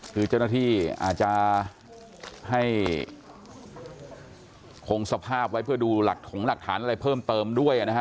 คือเจ้าหน้าที่อาจจะให้คงสภาพไว้เพื่อดูหลักถงหลักฐานอะไรเพิ่มเติมด้วยนะฮะ